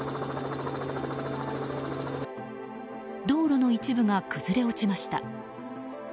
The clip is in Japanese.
道路の一部が崩れ落ちました。